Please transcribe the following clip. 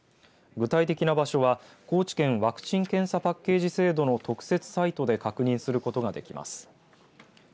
具体的な場所は高知県ワクチン・検査パッケージ制度の特設サイトで確認することができます。